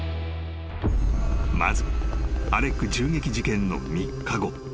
［まずアレック銃撃事件の３日後］